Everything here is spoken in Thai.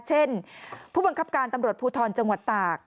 เช่นผู้บังคับการตำรวจภูทรจังหวัดตาก